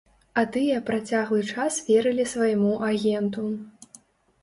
А тыя працяглы час верылі свайму агенту.